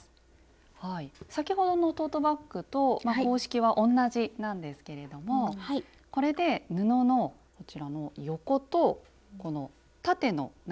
先ほどのトートバッグと公式は同じなんですけれどもこれで布のこちらの横とこの縦の長さが決まってくるということで。